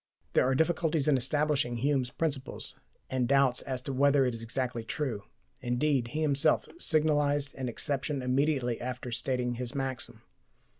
There are difficulties in establishing Hume's principles, and doubts as to whether it is exactly true. Indeed, he himself signalized an exception immediately after stating his maxim.